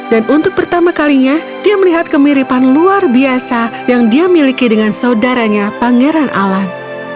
dan untuk pertama kalinya dia melihat kemiripan luar biasa yang dia miliki dengan saudaranya pangeran alan